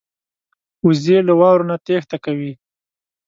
وزې له واورو نه تېښته کوي